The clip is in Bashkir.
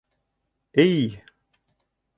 «Эй-й!»